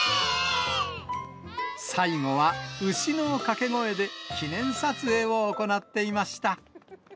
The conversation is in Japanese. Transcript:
最後は牛の掛け声で記念撮影を行っていました。